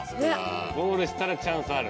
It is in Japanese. ゴールしたらチャンスある。